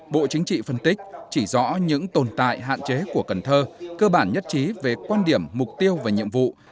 bộ chính trị phân tích chỉ rõ những tồn tại hạn chế của cần thơ cơ bản nhất trí về quan điểm mục tiêu và nhiệm vụ